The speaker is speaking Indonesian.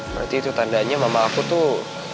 berarti itu tandanya mama aku tuh